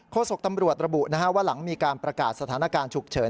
โศกตำรวจระบุว่าหลังมีการประกาศสถานการณ์ฉุกเฉิน